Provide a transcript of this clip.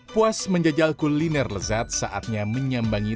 puas menjajal kuliner lezat saatnya menyambangi